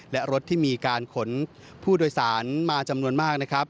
และรถที่มีการขนผู้โดยสารมาจำนวนมากนะครับ